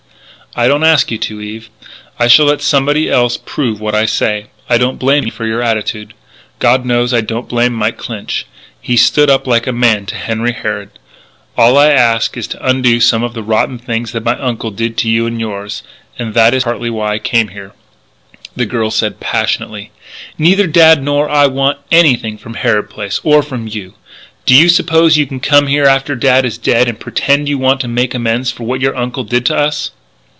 "I don't ask you to, Eve. I shall let somebody else prove what I say. I don't blame you for your attitude. God knows I don't blame Mike Clinch. He stood up like a man to Henry Harrod.... All I ask is to undo some of the rotten things that my uncle did to you and yours. And that is partly why I came here." The girl said passionately: "Neither Dad nor I want anything from Harrod Place or from you! Do you suppose you can come here after Dad is dead and pretend you want to make amends for what your uncle did to us?"